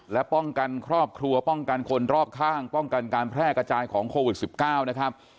และป้องกันครอบครัวป้องกันคนรอบข้างป้องกันการแพร่กระจายของโควิด๑๙นะครับ